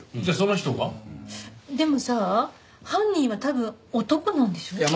じゃあその人が？でもさ犯人は多分男なんでしょ？